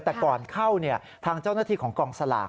แต่ก่อนเข้าทางเจ้าหน้าที่ของกองสลาก